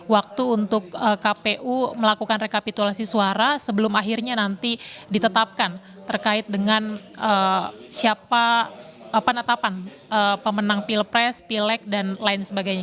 waktu untuk kpu melakukan rekapitulasi suara sebelum akhirnya nanti ditetapkan terkait dengan siapa penetapan pemenang pilpres pilek dan lain sebagainya